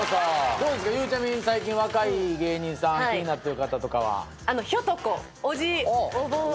どうですか最近若い芸人さん気になってる方とかは？